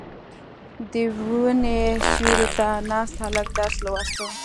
• د ونې سیوري ته ناست هلک درس لوسته.